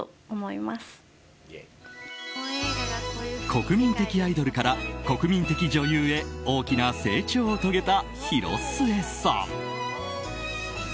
国民的アイドルから国民的女優へ大きな成長を遂げた広末さん。